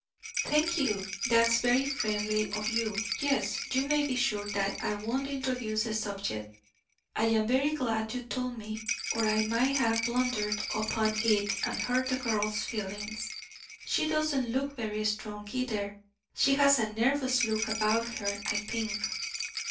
"Thank you; that's very friendly of you. Yes, you may be sure that I won't introduce the subject. I am very glad you told me, or I might have blundered upon it and hurt the girl's feelings. She doesn't look very strong, either. She has a nervous look about her, I think."